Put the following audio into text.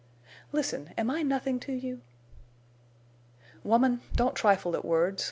"Listen. Am I nothing to you?" "Woman—don't trifle at words!